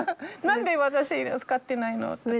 「何で私使ってないの？」とか。